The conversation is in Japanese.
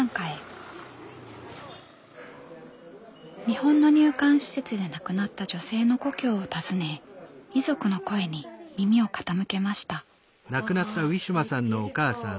日本の入管施設で亡くなった女性の故郷を訪ね遺族の声に耳を傾けました。